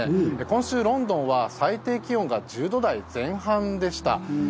今週、ロンドンは最低気温が１０度台前半でした。